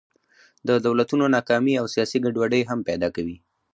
د دولتونو ناکامي او سیاسي ګډوډۍ هم پیدا کوي.